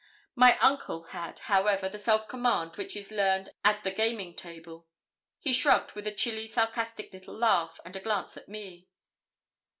My uncle had, however, the self command which is learned at the gaming table. He shrugged, with a chilly, sarcastic, little laugh, and a glance at me.